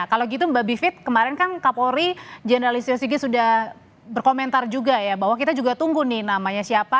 kalau gitu mbak bivit kemarin kan kapolri jenderal istio sigi sudah berkomentar juga ya bahwa kita juga tunggu nih namanya siapa